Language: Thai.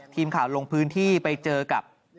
ทีมข่าวลงพื้นที่ไปเจอกับ